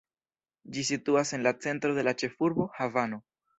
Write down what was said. Ĝi situas en la centro de la ĉefurbo, Havano.